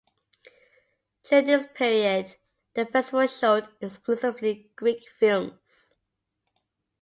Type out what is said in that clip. During this period the festival showed exclusively Greek films.